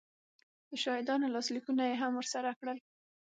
د شاهدانو لاسلیکونه یې هم ورسره کړل